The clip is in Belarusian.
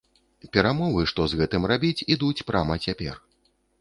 Перамовы, што з гэтым рабіць, ідуць прама цяпер.